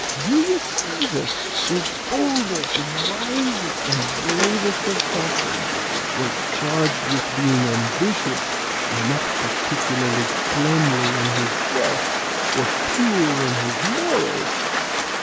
Julius Caesar, the boldest, wisest, and bravest of captains, was charged with being ambitious, and not particularly cleanly in his dress, or pure in his morals.